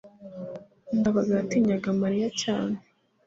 ndabaga yatinyaga mariya cyane